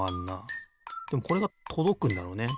でもこれがとどくんだろうね。